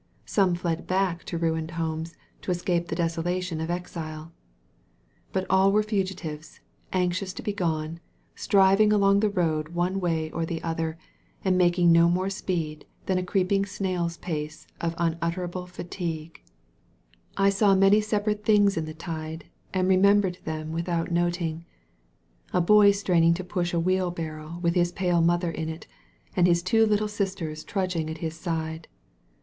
Some fled back to ruined homes to escape the desolation of exile. But all were fugi tives, anxious to be gone, striving along the road one way or the other, and making no more speed than a creeping snail's pace of unutterable fatigue. 17 THE VALLEY OP VISION I saw many separate things in the tide, and re membered them without noting. A boy straining to push a wheelbarrow with his pale mother in it, and his two little sisters trudging at his side.